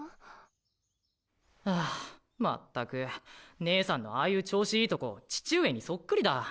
はぁ全く姉さんのああいう調子いいとこ父上にそっくりだ。